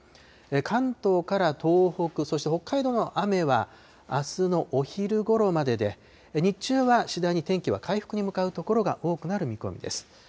関東から東北、そして北海道の雨は、あすのお昼ごろまでで、日中は次第に天気は回復に向かう所が多くなる見込みです。